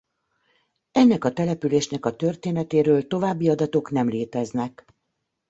Ennek a településnek a történetéről további adatok nem léteznek.